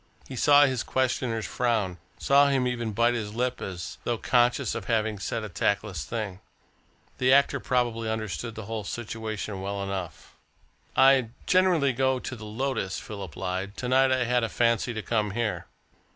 He saw his questioner's frown, saw him even bite his lip as though conscious of having said a tactless thing. The actor probably understood the whole situation well enough. "I generally go into the Lotus," Philip lied. "To night I had a fancy to come here."